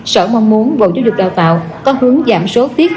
sở mong muốn bộ giáo dục đào tạo có hướng giảm số tiết